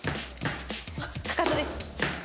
かかとです。